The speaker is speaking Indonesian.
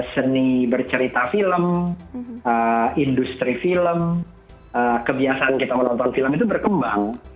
seni bercerita film industri film kebiasaan kita menonton film itu berkembang